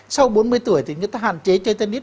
sau bốn mươi tuổi thì người ta hạn chế chơi tennis